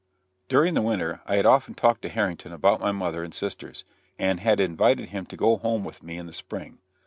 During the winter I had often talked to Harrington about my mother and sisters, and had invited him to go home with me in the spring.